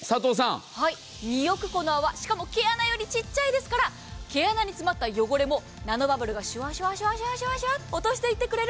２億個の穴、しかも毛穴より小さいですから、毛穴に詰まった汚れもナノバブルがシュワシュワシュワと落としてといってくれる。